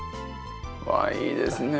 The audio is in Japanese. うわいいですね。